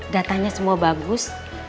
datanya semua bagus